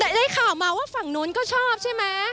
แต่ได้ข่าวมาว่าฝั่งนู้นก็ชอบใช่ไหม